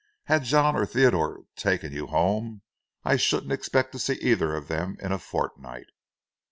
Had John or Theodore taken you home, I shouldn't expect to see either of them in a fortnight.